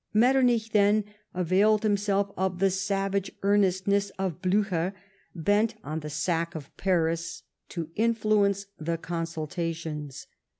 Metternich, then, availed himself of the savage earnestness of Bllicher, bent on the sack of Paris, to influence the consultations.